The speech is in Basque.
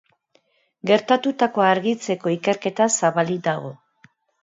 Gertatutakoa argitzeko ikerketa zabalik dago.